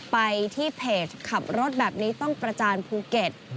ไปที่เพจขับรถแบบนี้ต้องประจานภูเก็ต